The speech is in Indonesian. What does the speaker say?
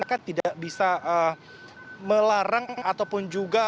masyarakat tidak bisa melarang ataupun juga